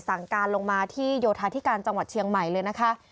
สั่งการลงมาที่โยธาธิการจังหวัดเชียงใหม่เลยนะคะ